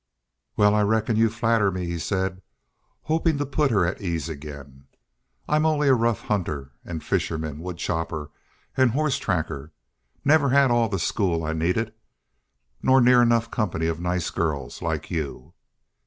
"Well, I reckon you flatter me," he said, hoping to put her at her ease again. "I'm only a rough hunter an' fisherman woodchopper an' horse tracker. Never had all the school I needed nor near enough company of nice girls like you."